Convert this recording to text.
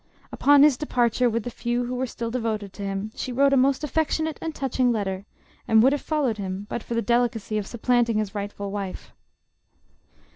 Upon his departure with the few who were still devoted to him, she wrote a most affec tionate and touching letter, and would have followed him but for the delicacy of supplanting his rightful wife.